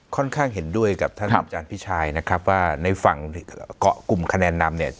ค่อนข้างเห็นด้วยกับท่านอาจารย์พี่ชายนะครับว่าในฝั่งเกาะกลุ่มคะแนนนำเนี่ย